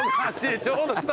ちょうど来た。